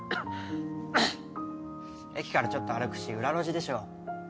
駅からちょっと歩くし裏路地でしょう？